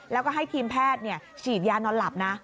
แล้วก็ให้ทีมแพทย์ฉีดยานอนหลับนะ